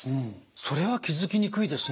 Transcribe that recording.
それは気付きにくいですね。